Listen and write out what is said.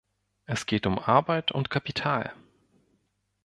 Es geht um Arbeit und Kapital.